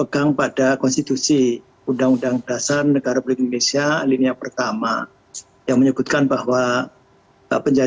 ya kalau dpr